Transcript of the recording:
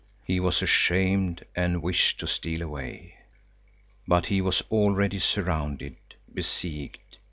He was ashamed and wished to steal away. But he was already surrounded, besieged.